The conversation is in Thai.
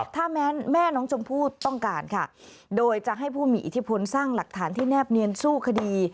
ถ้าแม้แม่น้องชมพู่ต้องการค่ะโดยจะให้ผู้มีอิทธิพลสร้างหลักฐานที่แนบเนียนสู้คดี